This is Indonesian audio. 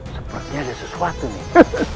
sepertinya ada sesuatu nih